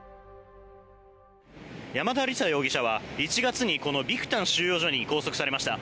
山田李沙容疑者は１月にこのビクタン収容所に拘束されました。